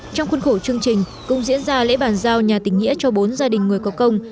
trong khuôn khổ chương trình cũng diễn ra lễ bàn giao nhà tình nghĩa cho bốn gia đình người có công